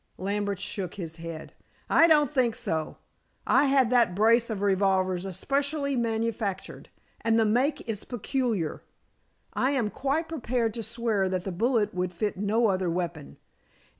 Lambert shook his head. "I don't think so. I had that brace of revolvers especially manufactured, and the make is peculiar. I am quite prepared to swear that the bullet would fit no other weapon.